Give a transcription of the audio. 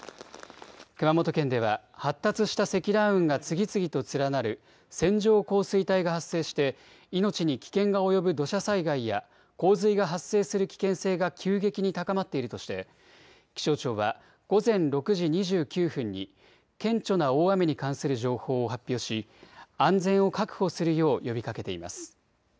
熊本県では発達した積乱雲が次々と連なる線状降水帯が発生して命に危険が及ぶ土砂災害や洪水が発生する危険性が急激に高まっているとして気象庁は午前６時２９分に顕著な大雨に関する情報を発表し安全を確保するよう呼びかけています。